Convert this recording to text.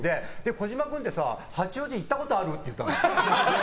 児嶋君ってさ八王子行ったことある？って言ったの。